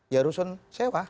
ya rusun sewa